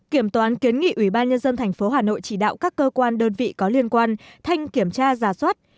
kiểm toán kiến nghị ubnd tp hà nội chỉ đạo các cơ quan đơn vị có liên quan thanh kiểm tra giả soát